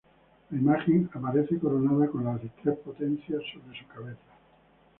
La imagen aparece coronada con las tres potencias sobre su cabeza.